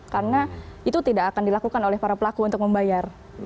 karena itu tidak akan dilakukan oleh para pelaku untuk membayar